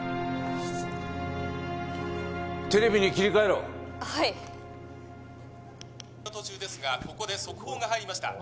テレビに切り替えろはい途中ですがここで速報が入りました